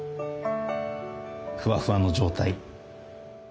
ふわふわの状態。